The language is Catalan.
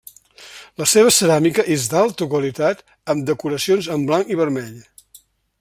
La seva ceràmica és d'alta qualitat, amb decoracions en blanc i vermell.